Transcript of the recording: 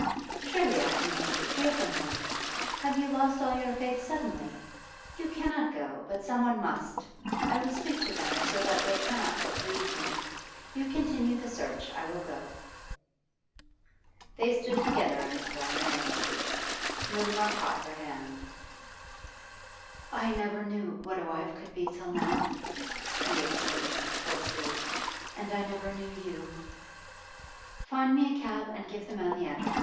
'Surely I have nothing to fear from them? Have you lost all your faith suddenly? You cannot go, but someone must. I will speak to them so that they cannot but believe me. You continue the search; I will go.' They stood together in the pouring rain. Mutimer caught her hand. 'I never knew what a wife could be till now,' he exclaimed hoarsely. 'And I never knew you!' 'Find me a cab and give the man the address.